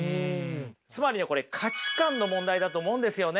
つまりねこれ価値観の問題だと思うんですよね。